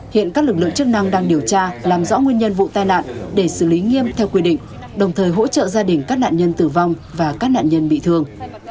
hiện các lực lượng chức năng đang điều tra làm rõ nguyên nhân vụ tai nạn để xử lý nghiêm theo quy định đồng thời hỗ trợ gia đình các nạn nhân tử vong và các nạn nhân bị thương